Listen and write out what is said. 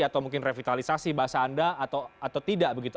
atau mungkin revitalisasi bahasa anda atau tidak begitu